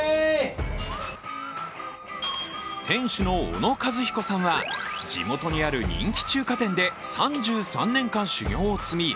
店主の小野一彦さんは地元にある人気中華店で３３年間、修業を積み